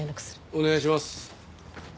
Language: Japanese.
お願いします。